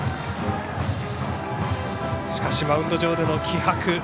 しかし、マウンド上での気迫。